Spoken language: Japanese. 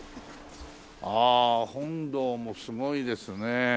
ああ本堂もすごいですね。